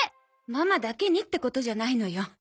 ママだけにってことじゃないのよ。